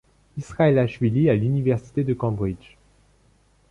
Israelachvili à l'Université de Cambridge.